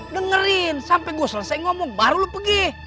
dengerin sampe gue selesai ngomong baru lo pergi